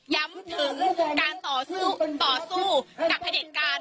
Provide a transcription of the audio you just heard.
ย้ำถึงการต่อสู้ต่อสู้กับพระเด็จการ